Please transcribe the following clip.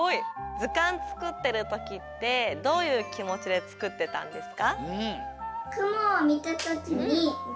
ずかんつくってるときってどういうきもちでつくってたんですか？